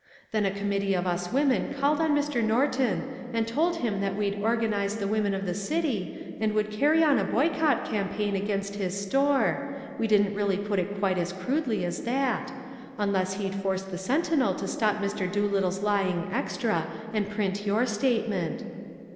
"Then a committee of us women called on Mr. Norton and told him that we'd organize the women of the city and would carry on a boycott campaign against his store we didn't really put it quite as crudely as that unless he'd force the Sentinel to stop Mr. Doolittle's lying extra and print your statement.